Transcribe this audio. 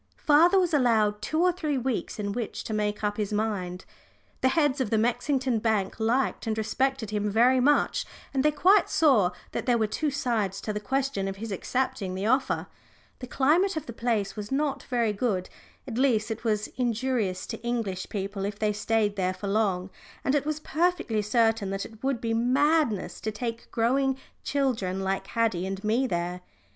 Father was allowed two or three weeks in which to make up his mind. The heads of the Mexington bank liked and respected him very much, and they quite saw that there were two sides to the question of his accepting the offer. The climate of the place was not very good at least it was injurious to English people if they stayed there for long and it was perfectly certain that it would be madness to take growing children like Haddie and me there.